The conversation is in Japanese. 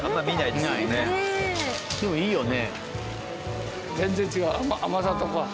でもいいよね。